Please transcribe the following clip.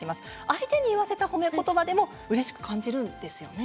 相手に言わせた褒め言葉でもうれしく感じるんですね。